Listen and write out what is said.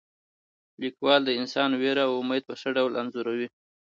لیکوال د انسانانو ویره او امید په ښه ډول انځوروي.